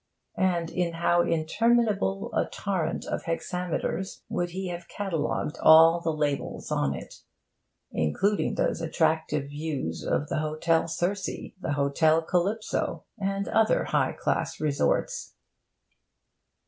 And in how interminable a torrent of hexameters would he have catalogued all the labels on it, including those attractive views of the Hotel Circe, the Hotel Calypso, and other high class resorts.